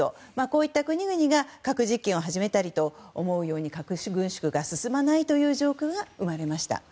こうした国々が核実験を始めたりと思うように核軍縮が進まないという状況が生まれました。